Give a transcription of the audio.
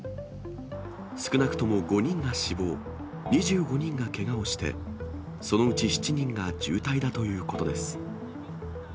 少なくとも５人が死亡、２５人がけがをして、そのうち７人が重体だということです。